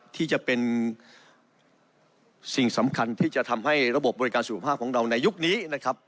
ที่จะเป็นสิ่งสำคัญที่จะทำให้ระบบบริการสุขภาพของเราในยุคนี้นะครับ